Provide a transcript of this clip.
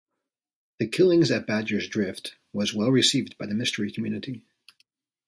"The Killings at Badger's Drift" was well received by the mystery community.